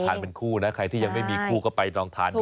เป็นคู่นะใครที่ยังไม่มีคู่ก็ไปลองทานดู